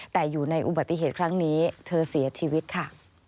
แต่อยู่ในอุบัติเหตุครั้งนี้เธอเสียชีวิตค่ะ